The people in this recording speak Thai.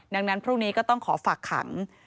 ดังนั้นพรุ่งนี้ก็ต้องขอฝากขัง